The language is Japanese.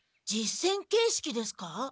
実戦形式ですか？